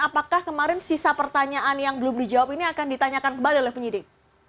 apakah kemarin sisa pertanyaan yang belum dijawab ini akan ditanyakan kembali oleh penyidik